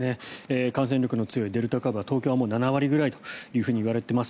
感染力の強いデルタ株は東京はもう７割ぐらいといわれています。